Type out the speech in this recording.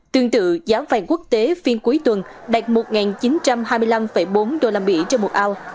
tương tự giá vàng quốc tế phiên cuối tuần đạt một chín trăm hai mươi năm bốn usd trên một ao